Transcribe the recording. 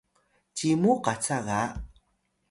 cimu qaca ga